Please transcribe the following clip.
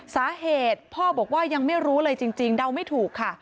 สาเหตุพ่อบอกว่ายังไม่รู้เลยจริงเดาไม่ถูกค่ะ